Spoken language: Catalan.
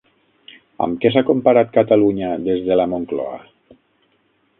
Amb què s'ha comparat Catalunya des de la Moncloa?